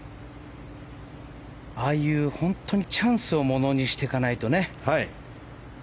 ああいう、本当にチャンスものにしていかないとね。